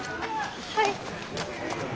はい。